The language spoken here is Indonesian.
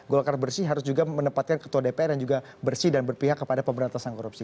golkar bersih harus juga menempatkan ketua dpr yang juga bersih dan berpihak kepada pemberantasan korupsi